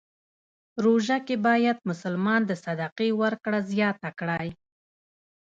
روژه کې باید مسلمان د صدقې ورکړه زیاته کړی.